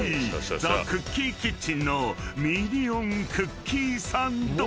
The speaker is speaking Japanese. ザ・クッキー・キッチンのミニオン・クッキーサンド］